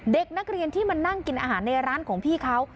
เด็กนักเรียนที่มานั่งกินอาหารในร้านของพี่เขา